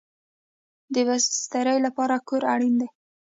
د بسترې لپاره کور اړین دی